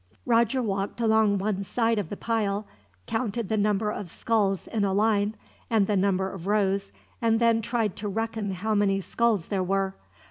Roger walked along one side of the pile, counted the number of skulls in a line, and the number of rows, and then tried to reckon how many skulls there were.